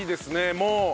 もう。